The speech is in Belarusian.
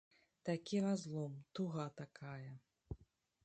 Такі разлом, туга такая!